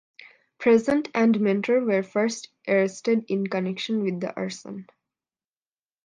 Present and Mentor were first arrested in connection with the arson.